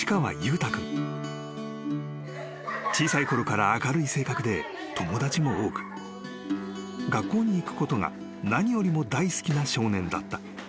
［小さいころから明るい性格で友達も多く学校に行くことが何よりも大好きな少年だった］